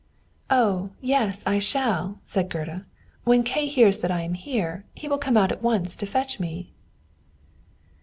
"Oh, yes, I shall," said Gerda: "when Kay hears that I am here, he will come out at once to fetch me."